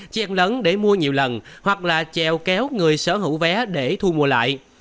chen lấn để mua nhiều lần hoặc là treo kéo người sở hữu vé để thu mua lại